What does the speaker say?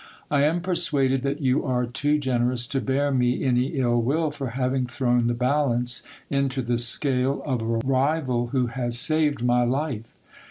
I am persuaded that you are too generous to bear me any ill will for having thrown the balance into the scale of a rival, who has saved my life.